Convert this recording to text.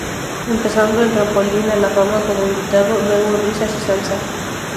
Empezando en "Trampolín a la fama" como invitado, luego en "Risas y Salsa".